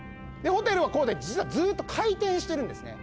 ホテルは実はずっと回転してるんですね。